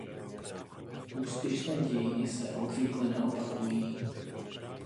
Úspěšné dějiny se obvykle neopakují.